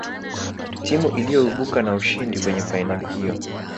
timu iliyoibuka na ushindi kwenye fainali hiyo